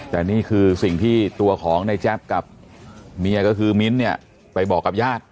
แต่นี่คือสิ่งที่ตัวของในแจ๊บกับเมียก็คือมิ้นท์เนี่ยไปบอกกับญาติ